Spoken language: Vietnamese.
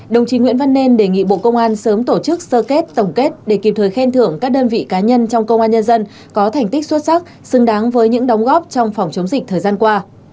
đồng chí nguyễn văn nên đề nghị bộ công an sớm tổ chức sơ kết tổng kết để kịp thời khen thưởng các đơn vị cá nhân trong công an nhân dân có thành tích xuất sắc xứng đáng với những đóng góp trong phòng chống dịch thời gian qua